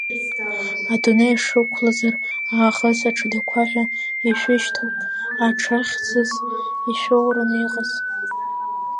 Адунеи шәықәлазар аахыс аҽадақәа ҳәа ишәышьҭоуп, аҽа хьӡыс ишәоураны иҟаз?!